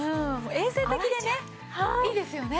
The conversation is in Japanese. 衛生的でねいいですよね。